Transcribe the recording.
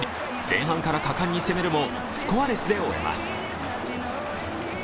前半から果敢に攻めるも、スコアレスで終えます。